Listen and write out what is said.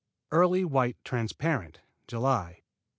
Early White Transparent J'ly.